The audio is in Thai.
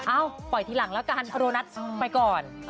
ปล่อยทีหลังแล้วกันโดนัทไปก่อน